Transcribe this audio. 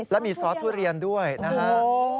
และมีซอสทุเรียนด้วยนะฮะ